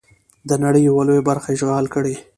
د نړۍ یوه لویه برخه اشغال کړي.